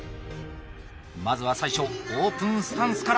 まずは最初オープンスタンスから。